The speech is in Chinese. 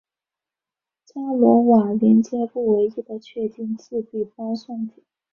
伽罗瓦连接不唯一的确定自闭包算子。